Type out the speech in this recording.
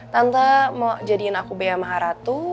tante mau jadikan aku bea maharatu